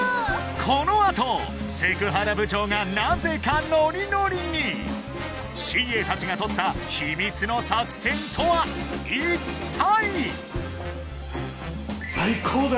このあとセクハラ部長がなぜかノリノリにＣＡたちがとった秘密の作戦とは一体！？